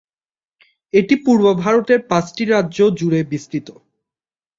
এটি পূর্ব ভারতের পাঁচটি রাজ্য জুড়ে বিস্তৃত।